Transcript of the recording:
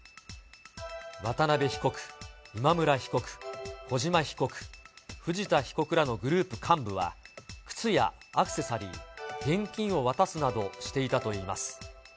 渡辺被告、今村被告、小島被告、藤田被告らのグループ幹部は、靴やアクセサリー、現金を渡すなどしていたといいます。